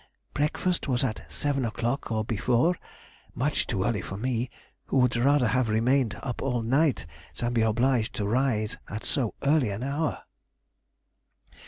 Breakfast was at 7 o'clock or before (much too early for me, who would rather have remained up all night than be obliged to rise at so early an hour)....